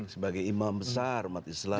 sebagai imam besar umat islam